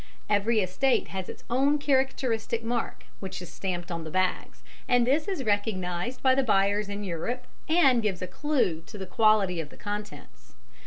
Every estate has its own characteristic mark, which is stamped on the bags, and this is recognised by the buyers in Europe, and gives a clue to the quality of the contents.